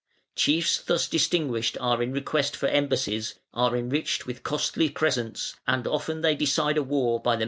Chiefs thus distinguished are in request for embassies, are enriched with costly presents, and often they decide a war by the mere terror of their name".